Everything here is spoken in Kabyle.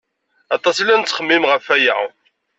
Aṭas i la nettxemmim ɣef aya.